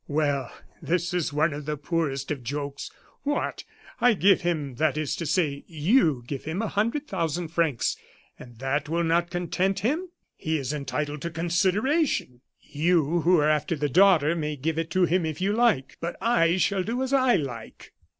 Well, this is one of the poorest of jokes. What! I give him that is to say you give him a hundred thousand francs, and that will not content him! He is entitled to consideration! You, who are after the daughter, may give it to him if you like, but I shall do as I like!"